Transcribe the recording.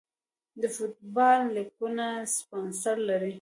د فوټبال لیګونه سپانسر لري